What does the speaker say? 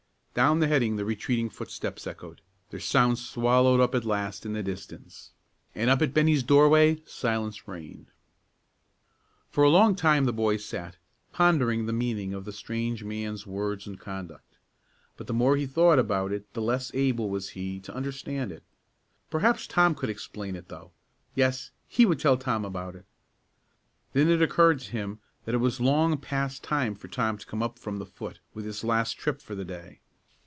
Down the heading the retreating footsteps echoed, their sound swallowed up at last in the distance; and up at Bennie's doorway silence reigned. For a long time the boy sat, pondering the meaning of the strange man's words and conduct. But the more he thought about it the less able was he to understand it. Perhaps Tom could explain it, though; yes, he would tell Tom about it. Then it occurred to him that it was long past time for Tom to come up from the foot with his last trip for the day.